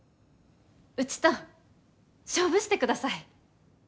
うちと勝負してください！